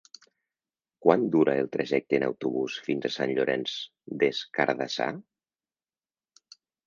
Quant dura el trajecte en autobús fins a Sant Llorenç des Cardassar?